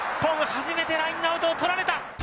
初めてラインアウトをとられた！